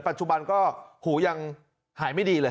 ปัจจุบันก็หูยังหายไม่ดีเลย